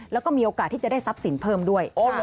แล้วก็มีโอกาสที่จะได้ทรัพย์สินเพิ่มด้วย